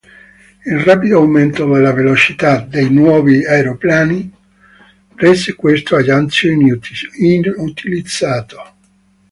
Il rapido aumento della velocità dei nuovi aeroplani rese questo aggancio inutilizzato.